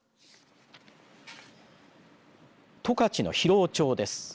十勝の広尾町です。